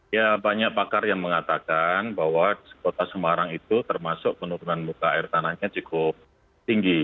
ya banyak pakar yang mengatakan bahwa kota semarang itu termasuk penurunan muka air tanahnya cukup tinggi